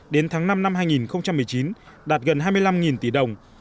đến tháng năm năm hai nghìn một mươi chín đạt gần hai mươi năm tỷ đồng